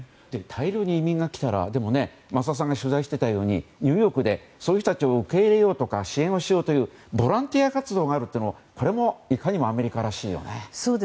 大量に移民が来たら増田さんが取材していたようにニューヨークでそういう人たちを受け入れようとか支援をしようというボランティア活動があるのもこれもいかにもアメリカらしいよね。